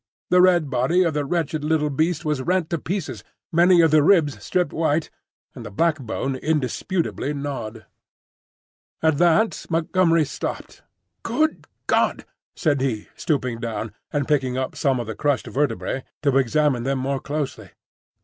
The red body of the wretched little beast was rent to pieces, many of the ribs stripped white, and the backbone indisputably gnawed. At that Montgomery stopped. "Good God!" said he, stooping down, and picking up some of the crushed vertebrae to examine them more closely.